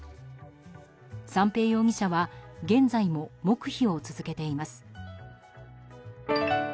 三瓶容疑者は現在も黙秘を続けています。